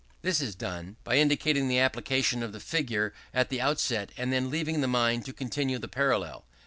This is done by indicating the application of the figure at the outset, and then leaving the mind to continue the parallel.'